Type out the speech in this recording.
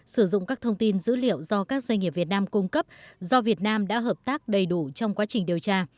sử dụng các thông tin dữ liệu do các doanh nghiệp việt nam cung cấp do việt nam đã hợp tác đầy đủ trong quá trình điều tra